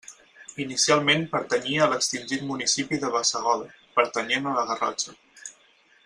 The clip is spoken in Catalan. Inicialment pertanyia a l'extingit municipi de Bassegoda, pertanyent a la Garrotxa.